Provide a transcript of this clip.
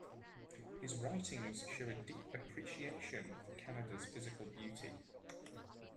His writings show a deep appreciation of Canada's physical beauty.